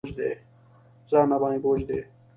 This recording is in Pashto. ځان راباندې بوج دی.